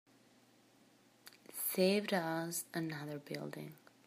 Saved us another building.